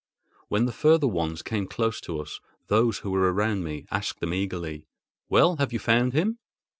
When the further ones came close to us, those who were around me asked them eagerly: "Well, have you found him?"